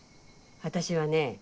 私はね